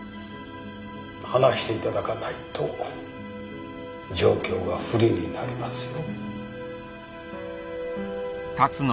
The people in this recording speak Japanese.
話していただかないと状況が不利になりますよ。